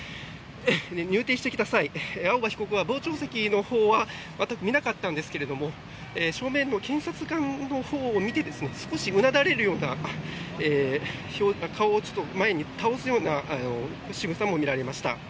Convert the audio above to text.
入廷してきた際青葉被告は傍聴席のほうは見なかったんですが正面の検察官のほうを見て少しうなだれるような顔を前に倒すようなしぐさも見られました。